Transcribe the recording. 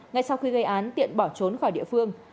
ngay sau khi gây án tiện bỏ trốn khỏi địa phương